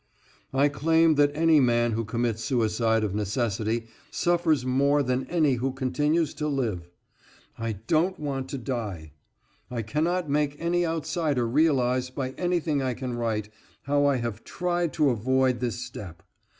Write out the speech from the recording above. I claim that any man who commits suicide of necessity suffers more than any who continues to live. I don't want to die. I cannot make any outsider realize by anything I can write how I have tried to avoid this step.